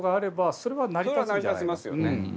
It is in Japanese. それは成り立ちますよね。